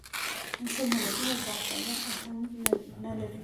نثر منظم او با قاعده اهنګ نه لري.